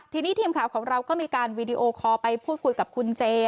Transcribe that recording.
ทีนี้ทีมข่าวของเราก็มีการวีดีโอคอลไปพูดคุยกับคุณเจ